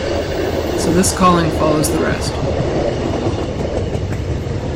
So this calling follows the rest.